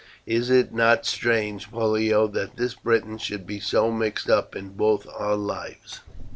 Is it not strange, Pollio, that this Briton should be so mixed up in both our lives?"